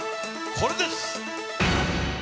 これです。